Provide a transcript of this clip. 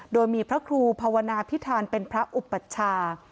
โดยมีพระครูภาวนาพิธานเป็นพระอุปัชชา